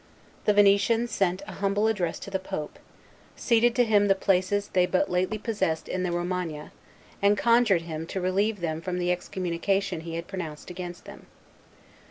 The Venetians sent a humble address to the pope, ceded to him the places they but lately possessed in the Romagna, and conjured him to relieve them from the excommunication he had pronounced against them.